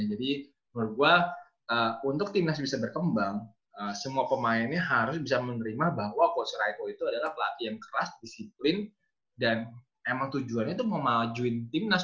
jadi menurut gue untuk timnas bisa berkembang semua pemainnya harus bisa menerima bahwa coach rajko itu adalah pelatihan keras disiplin dan emang tujuannya itu mau majuin timnas